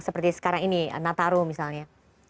seperti sekarang ini nataru misalnya